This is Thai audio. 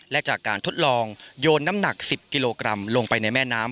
และจากการทดลองโยนน้ำหนัก๑๐กิโลกรัมลงไปในแม่น้ำ